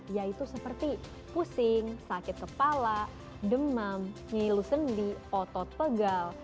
yaitu seperti pusing sakit kepala demam nyilu sendi otot pegal